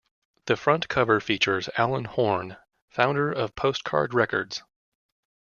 The front cover features Alan Horne, founder of Postcard Records.